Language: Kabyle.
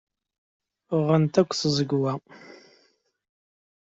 Rɣant akk tẓegwa.